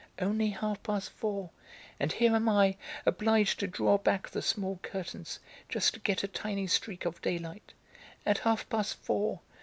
"Only half past four! And here am I, obliged to draw back the small curtains, just to get a tiny streak of daylight. At half past four!